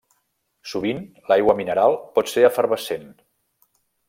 Sovint l'aigua mineral pot ser efervescent.